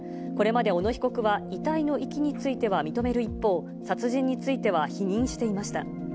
これまで小野被告は、遺体の遺棄については認める一方、殺人については否認していました。